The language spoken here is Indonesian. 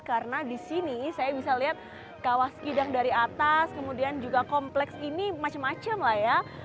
karena disini saya bisa lihat kawah segidang dari atas kemudian juga kompleks ini macem macem lah ya